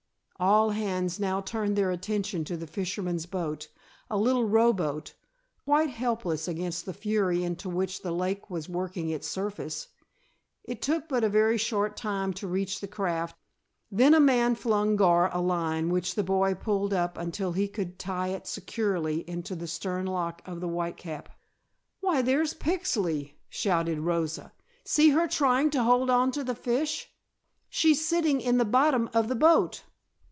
All hands now turned their attention to the fisherman's boat, a little rowboat, quite helpless against the fury into which the lake was working its surface. It took but a very short time to reach the craft, then a man flung Gar a line which the boy pulled up until he could tie it securely into the stern lock of the Whitecap. "Why, there's Pixley!" shouted Rosa. "See her trying to hold on to the fish. She's sitting in the bottom of the boat."